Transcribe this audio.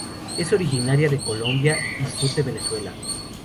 Es originaria de Colombia y sur de Venezuela.